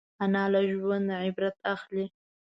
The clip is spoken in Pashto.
انا له ژونده عبرت اخلي